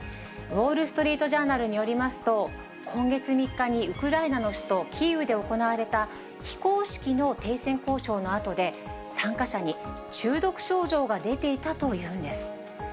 ウォール・ストリート・ジャーナルによりますと、今月３日にウクライナの首都キーウで行われた、非公式の停戦交渉のあとで、参加者に中毒症状が出ていたというのです。